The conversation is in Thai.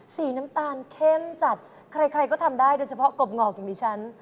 สีน้ำตาลเข้มจัดใครใครก็ทำได้โดยเฉพาะกบงอกอย่างดิฉัน